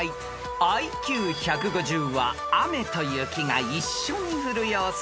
［ＩＱ１５０は雨と雪が一緒に降る様子を表す